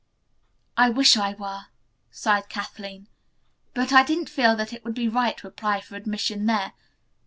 "I wish I were," sighed Kathleen, "but I didn't feel that it would be fair to apply for admission there.